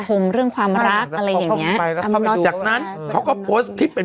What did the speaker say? คมเรื่องความรักอะไรอย่างเงี้ยแล้วเข้าไปจากนั้นเขาก็เป็น